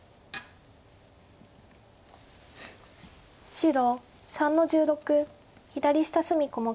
白３の十六左下隅小目。